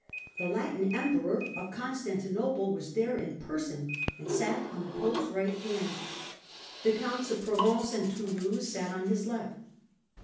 The Latin Emperor of Constantinople was there in person and sat on the Pope's right hand. The Counts of Provence and Toulouse sat on his left.